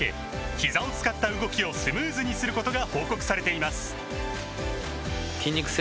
ひざを使った動きをスムーズにすることが報告されています